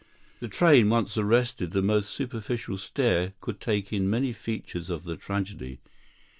The train once arrested, the most superficial stare could take in many features of the tragedy.